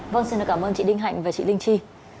vâng xin cảm ơn chị đinh hạnh và chị linh chi